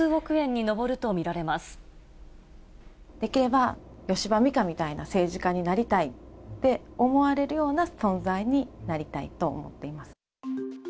できれば吉羽美華みたいな政治家になりたいって思われるような存在になりたいと思っています。